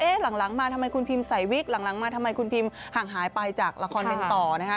หลังมาทำไมคุณพิมใส่วิกหลังมาทำไมคุณพิมห่างหายไปจากละครเป็นต่อนะคะ